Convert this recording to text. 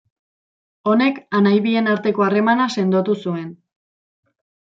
Honek anai bien arteko harremana sendotu zuen.